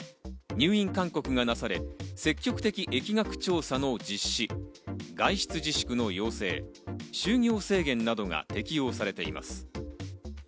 入院勧告がなされ、積極的疫学調査の実施、外出自粛の要請、就業制限などが適用されています。